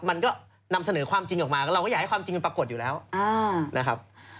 นำเสนอความจริงออกมาเราก็อยากให้ความจริงมันปรากฏอยู่แล้วนะครับ